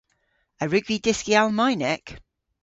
A wrug vy dyski Almaynek?